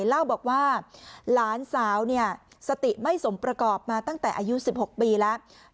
เล่าบอกว่าหลานสาวสติไม่สมประกอบมาตั้งแต่อายุ๑๖ปีแล้ว